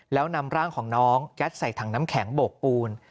แล้วนำร่างของน้องยัดใส่ถังน้ำแข็งโบกปูน